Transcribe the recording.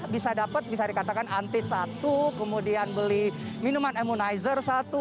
bisa dapat bisa dikatakan antis satu kemudian beli minuman ammonizer satu